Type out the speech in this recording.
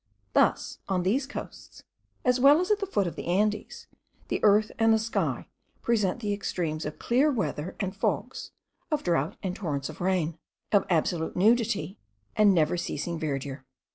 Thus on these coasts, as well as at the foot of the Andes, the earth and the sky present the extremes of clear weather and fogs, of drought and torrents of rain, of absolute nudity and never ceasing verdure.